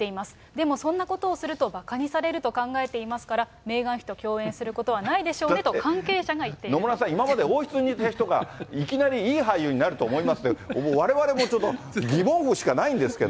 でも、そんなことを言うとばかにされると考えていますから、メーガン妃と共演することはないでしょうねと、ちょっと野村さん、今まで王室にいた人が、いきなりいい俳優になると思いますって、われわれもちょっと疑問符しかないんですけど。